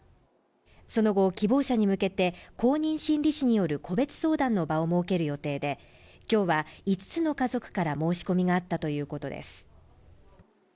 その後希望者に向けて公認心理師による個別相談の場を設ける予定で今日は５つの家族から申し込みがあったということです